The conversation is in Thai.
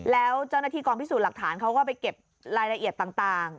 แล้วเจ้าหน้าที่กองพิสูจน์หลักฐานเขาก็ไปเก็บรายละเอียดต่าง